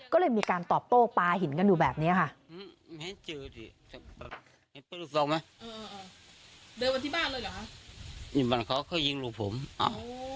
ก็เลยมีการตอบโต้ปลาหินกันอยู่แบบนี้ค่ะ